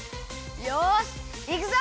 よしいくぞ！